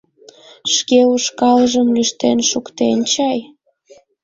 Шке ушкалжым лӱштен шуктен чай.